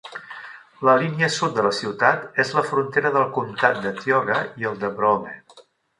La línia sud de la ciutat és la frontera del comtat de Tioga i el de Broome.